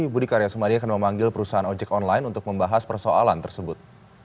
budi karya sumadi akan memanggil perusahaan ojek online untuk membahas persoalan tersebut